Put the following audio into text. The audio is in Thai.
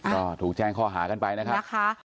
ก็ถูกแจ้งข้อหากันไปนะครับ